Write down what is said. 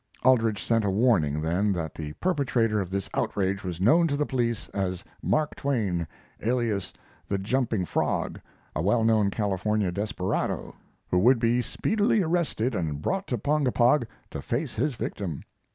Aldrich sent a warning then that the perpetrator of this outrage was known to the police as Mark Twain, alias "The Jumping Frog," a well known California desperado, who would be speedily arrested and brought to Ponkapog to face his victim.